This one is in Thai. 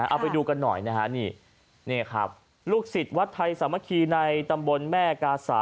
เอาไปดูกันหน่อยนะฮะนี่นี่ครับลูกศิษย์วัดไทยสามัคคีในตำบลแม่กาสา